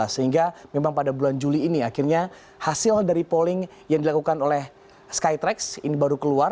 sehingga memang pada bulan juli ini akhirnya hasil dari polling yang dilakukan oleh skytrax ini baru keluar